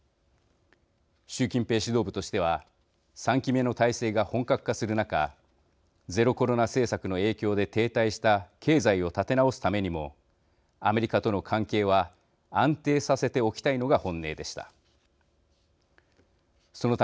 習近平指導部としては３期目の体制が本格化する中ゼロコロナ政策の影響で停滞した経済を立て直すためにもアメリカとの関係は安定させておきたいのが本音でした。